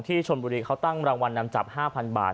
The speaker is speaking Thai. ที่ชนบุรีเขาตั้งรางวัลนำจับ๕๐๐๐กว้าร์